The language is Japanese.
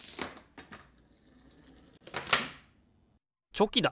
チョキだ！